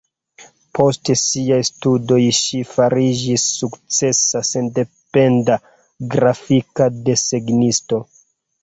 Post siaj studoj ŝi fariĝis sukcesa sendependa grafika desegnisto.